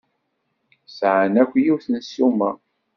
Sɛan akk yiwet n ssuma?